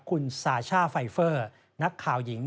คุณซาช่าไฟเฟอร์นักข่าวหญิง